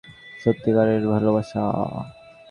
সত্যি কারের ভালোবাসা।